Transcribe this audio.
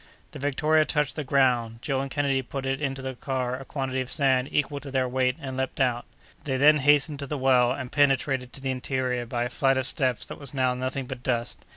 The Victoria touched the ground; Joe and Kennedy put into the car a quantity of sand equal to their weight, and leaped out. They then hastened to the well, and penetrated to the interior by a flight of steps that was now nothing but dust.